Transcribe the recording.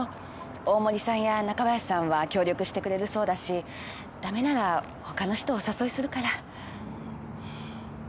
大森さんや中林さんは協力してくれるそうだし駄目なら他の人お誘いするから。